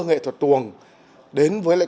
nghệ thuật tuồng đến với lễ khóa